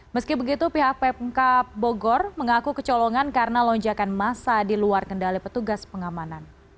meski begitu pihak pemkap bogor mengaku kecolongan karena lonjakan masa di luar kendali petugas pengamanan